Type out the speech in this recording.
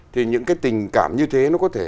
thì những cái tình cảm như thế nó có thể